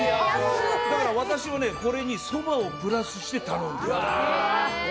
だから、私はこれにそばをプラスして頼んでました。